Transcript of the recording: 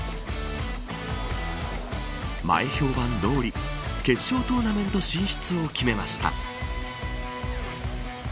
前評判どおり決勝トーナメント進出を決めました。